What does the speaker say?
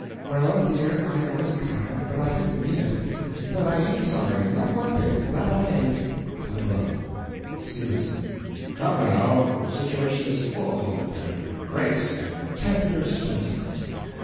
Well, dear, I was kind, but I didn't mean it. But I ain't sorry not one bit that I ain't. (Tableau.) S. Come, now, the situation is full of hope, and grace, and tender sentiment.